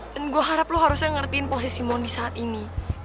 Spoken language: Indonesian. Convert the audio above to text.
dan gue harap lo harusnya ngertiin posisi mondi saat ini